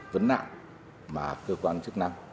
vấn nạn mà cơ quan chức năng